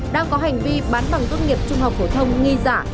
đang có hành vi bán bằng tốt nghiệp trung học phổ thông nghi giả